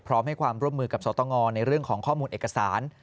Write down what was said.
ให้ความร่วมมือกับสตงในเรื่องของข้อมูลเอกสาร